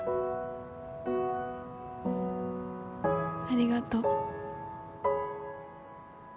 ありがとう。